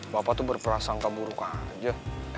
bapak tuh berprasangka buruk aja